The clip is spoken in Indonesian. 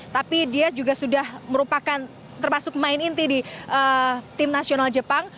tapi dia juga sudah merupakan termasuk main inti di tim nasional jepang